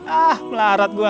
ah melarat gua